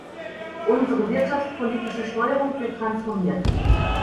Unsere wirtschaftspolitische Steuerung wird transformiert.